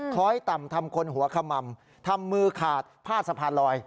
คล้อยต่ำทำคนหัวขม่ำทำมือขาดผ้าสะพานลอย